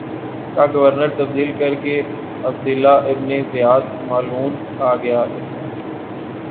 کا گورنر تبدیل کرکے عبیداللہ ابن زیاد ملعون آگیا اس